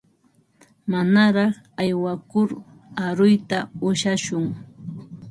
Manaraq aywakur aruyta ushashun.